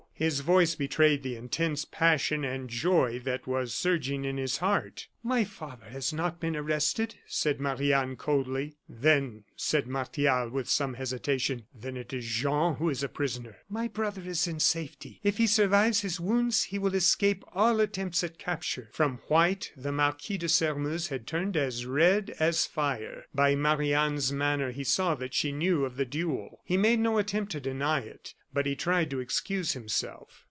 His voice betrayed the intense passion and joy that was surging in his heart. "My father has not been arrested," said Marie Anne, coldly. "Then," said Martial, with some hesitation, "then it is Jean who is a prisoner." "My brother is in safety. If he survives his wounds he will escape all attempts at capture." From white the Marquis de Sairmeuse had turned as red as fire. By Marie Anne's manner he saw that she knew of the duel. He made no attempt to deny it; but he tried to excuse himself.